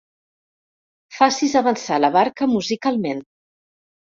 Facis avançar la barca musicalment.